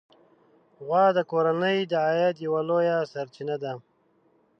غوا د کورنۍ د عاید یوه لویه سرچینه ده.